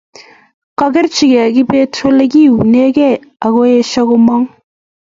kokerchigei kibet ole kiunegei akoesho komong